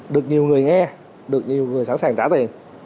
được nhiều người nghe được nhiều người sẵn sàng trả về